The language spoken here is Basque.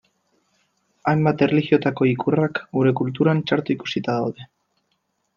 Hainbat erlijiotako ikurrak gure kulturan txarto ikusita daude.